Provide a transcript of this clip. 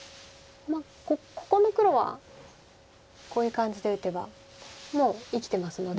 ここの黒はこういう感じで打てばもう生きてますので。